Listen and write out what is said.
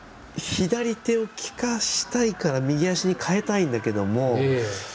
左手を効かしたかったから左足に、かえたいんだけど。